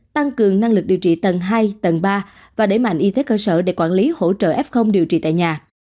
tăng cường năng lực điều trị tầng hai tầng ba và đẩy mạnh y tế cơ sở để quản lý hỗ trợ f điều trị tại nhà